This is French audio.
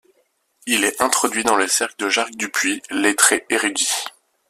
Il est introduit dans le cercle de Jacques Dupuy, lettré érudit.